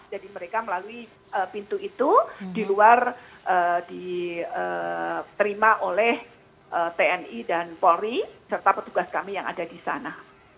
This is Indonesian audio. jadi mereka melalui pintu itu di luar diterima oleh tni dan polri serta petugas kami yang ada di sana